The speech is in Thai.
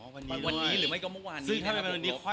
วันนี้หรือไม่ก็เมื่อวานนี้